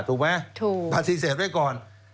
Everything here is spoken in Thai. ถูกไหมถูกปฏิเสธไว้ก่อน